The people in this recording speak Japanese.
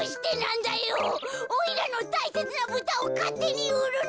おいらのたいせつなブタをかってにうるなよ！」。